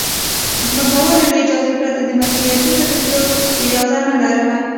د ځمکوالو له اجازې پرته د ملکیتونو د پلور اجازه نه لرله